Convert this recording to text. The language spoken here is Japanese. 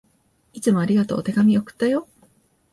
いつもありがとう。手紙、送ったよ。